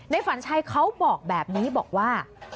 ฝันชัยเขาบอกแบบนี้บอกว่า